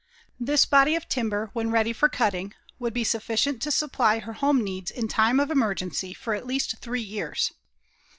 This body of timber when ready for cutting, would be sufficient to supply her home needs in time of emergency for at least three years.